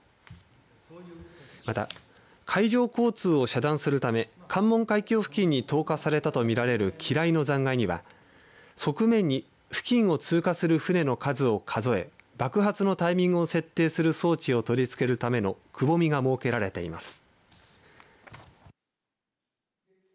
また、海上交通を遮断するため関門海峡付近に投下されたと見られる機雷の残骸には側面に付近を通過する船の数を数え爆発のタイミングを設定する装置を取りつけるためのくぼみが設けられています。